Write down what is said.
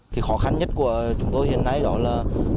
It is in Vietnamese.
thì khó khăn nhất của chúng tôi hiện nay đó là